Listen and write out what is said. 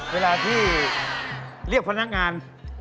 เวลาที่เรียกพนักงาน